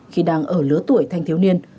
khi đang ở lứa tuổi thanh thiếu niên